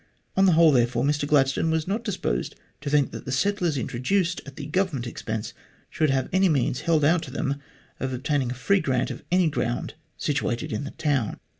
On the whole, therefore, Mr Gladstone was not disposed to think that the settlers introduced at the Government expense should have any means held out to them of obtaining a free grant of any ground situated in the town.